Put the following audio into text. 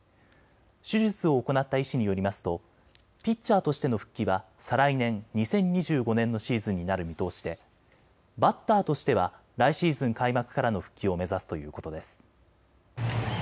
手術を行った医師によりますとピッチャーとしての復帰は再来年、２０２５年のシーズンになる見通しでバッターとしては来シーズン開幕からの復帰を目指すということです。